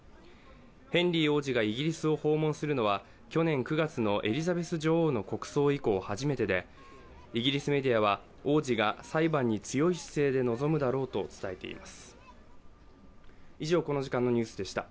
ヘンリー王子がイギリスを訪問するのは去年９月のエリザベス女王の国葬以降初めてでイギリスメディアは王子が裁判に強い姿勢で臨むだろうと伝えています。